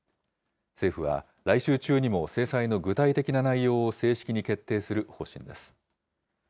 政府は来週中にも制裁の具体的な内容を正式に決定する方針です。